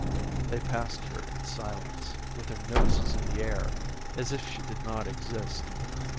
They passed her in silence, with their noses in the air, as if she did not exist.